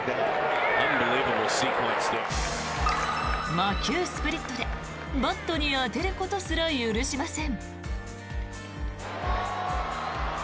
魔球スプリットでバットに当てることすら許しません。